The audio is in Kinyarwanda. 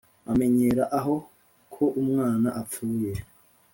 amenyera aho ko umwana apfuye.